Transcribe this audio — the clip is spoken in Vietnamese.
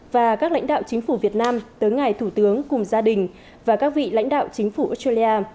và các lãnh đạo chính phủ việt nam tới ngài thủ tướng cùng gia đình và các vị lãnh đạo chính phủ australia